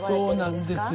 そうなんです。